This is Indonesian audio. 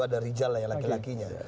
ada rijal laki lakinya